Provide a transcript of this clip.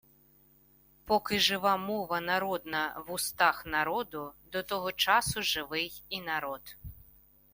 Поки жива мова народна в устах народу, до того часу живий і народ.